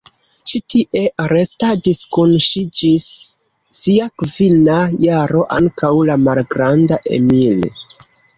Ĉi tie restadis kun ŝi ĝis sia kvina jaro ankaŭ la malgranda Emil.